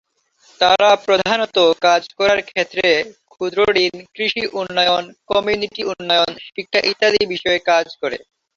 তারা প্রধানত কাজ করার ক্ষেত্রে ক্ষুদ্রঋণ, কৃষি উন্নয়ন, কমিউনিটি উন্নয়ন, শিক্ষা ইত্যাদি বিষয়ে কাজ করে।